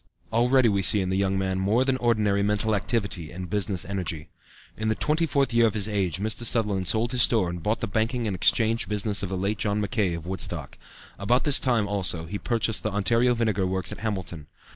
Already we see in the young man more than ordinary mental activity and business energy. In the twenty fourth year of his age Mr. Sutherland sold his store and bought the banking and exchange business of the late John Mackay, of Woodstock. About this time, also, he purchased the Ontario Vinegar Works at Hamilton.